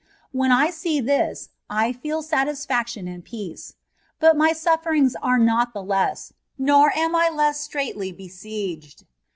When I see this, I feel satisfactìon and peace ; but my sufferings are not the less, nor am I the less straitly besieged.